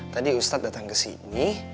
tadi ustadz datang ke sini